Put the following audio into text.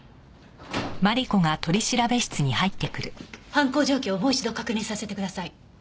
犯行状況をもう一度確認させてください。